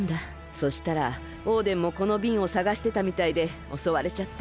そしたらオーデンもこのびんをさがしてたみたいでおそわれちゃって。